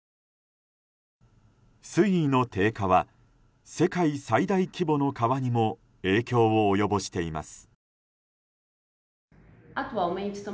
水位の低下は世界最大規模の川にも影響を及ぼしています。